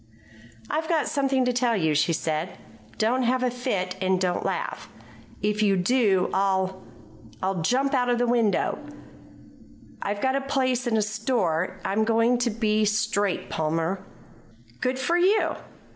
"I've got something to tell you," she said. "Don't have a fit, and don't laugh. If you do, I'll I'll jump out of the window. I've got a place in a store. I'm going to be straight, Palmer." "Good for you!"